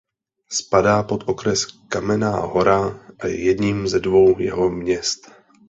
Spadá pod okres Kamenná Hora a je jedním ze dvou jeho měst.